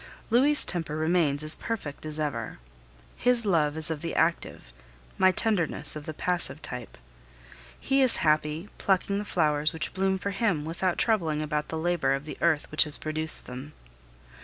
Louis' temper remains as perfect as ever; his love is of the active, my tenderness of the passive, type. He is happy, plucking the flowers which bloom for him, without troubling about the labor of the earth which has produced them.